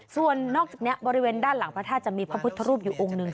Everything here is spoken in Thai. ส่วนนอกจากนี้บริเวณด้านหลังพระธาตุจะมีพระพุทธรูปอยู่องค์หนึ่ง